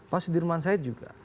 pak sudirman said juga